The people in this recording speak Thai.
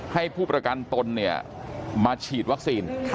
ให้ผู้ประกันตนมาฉีดวัคซีน